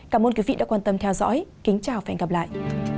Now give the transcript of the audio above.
cảm ơn quý vị đã quan tâm theo dõi kính chào và hẹn gặp lại